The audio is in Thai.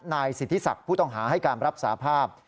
นายสิทธิศักดิ์ผู้ต้องหาให้การรับสาภาพ